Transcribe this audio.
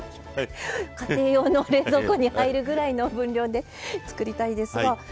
家庭用の冷蔵庫に入るぐらいの分量で作りたいですが。